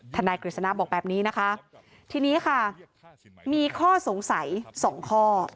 นายกฤษณะบอกแบบนี้นะคะทีนี้ค่ะมีข้อสงสัยสองข้อ